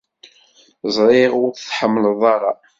ẓriɣ ur yi-tḥemmleḍ ara.